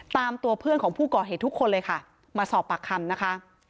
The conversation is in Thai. ตามตัวเพื่อนของผู้ก่อเหตุทุกคนเลยค่ะมาสอบปากคำนะคะ